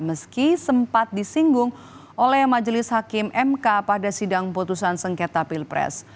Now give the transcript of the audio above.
meski sempat disinggung oleh majelis hakim mk pada sidang putusan sengketa pilpres